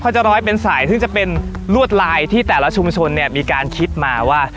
จะร้อยเป็นสายซึ่งจะเป็นลวดลายที่แต่ละชุมชนเนี่ยมีการคิดมาว่า